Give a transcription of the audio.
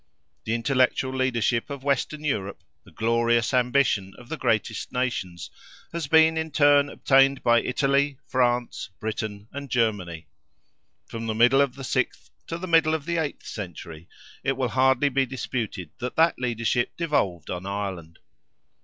The intellectual leadership of western Europe—the glorious ambition of the greatest nations—has been in turn obtained by Italy, France, Britain and Germany. From the middle of the sixth to the middle of the eighth century, it will hardly be disputed that that leadership devolved on Ireland.